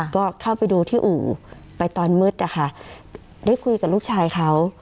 ก็เข้าไปดูที่อู่ไปตอนมืดนะคะได้คุยกับลูกชายเขา